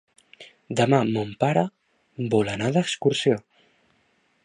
Demà mon pare vol anar d'excursió.